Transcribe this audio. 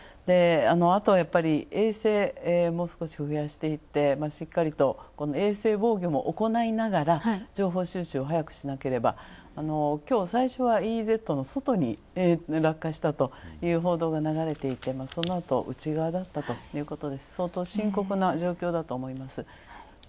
あとはやっぱり衛星も少し増やしていって、しっかりと衛星防御も行いながら、情報収集を早くしなければ、きょうはＥＥＺの落下したという報道が流れていて、そのあと内側だったと、相当深刻な状況だと思います。